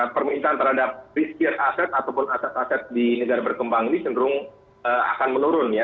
permintaan terhadap research aset ataupun aset aset di negara berkembang ini cenderung akan menurun ya